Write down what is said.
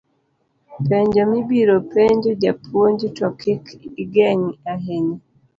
penjo mibiro penjo japuonj, to kik igengi ahinya